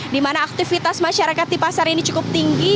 di mana aktivitas masyarakat di pasar ini cukup tinggi